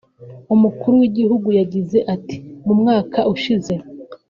Umukuru w’Igihugu yagize ati “Mu mwaka ushize